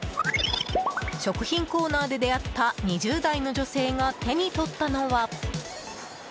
食品コーナーで出会った２０代の女性が手に取ったのは。